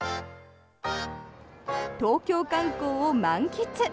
東京観光を満喫。